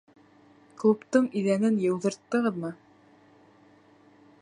Клубтың иҙәнен йыуҙырттығыҙмы?